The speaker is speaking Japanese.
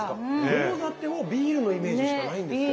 餃子ってもうビールのイメージしかないんですけど。